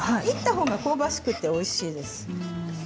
いったほうが香ばしくておいしいです。